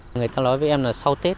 người ta nói với em là sau tết